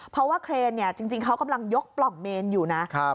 เพราะว่าเครนเนี่ยจริงเขากำลังยกปล่องเมนอยู่นะ